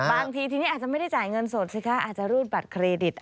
บางทีทีนี้อาจจะไม่ได้จ่ายเงินสดสิคะอาจจะรูดบัตรเครดิต